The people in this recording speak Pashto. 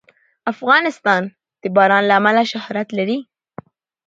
افغانستان د باران له امله شهرت لري.